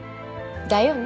だよね？